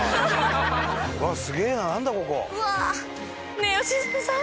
ねえ良純さん？